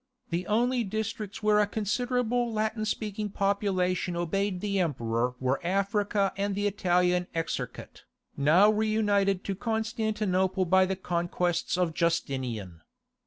The only districts where a considerable Latin speaking population obeyed the Emperor were Africa and the Italian Exarchate, now reunited to Constantinople by the conquests of Justinian.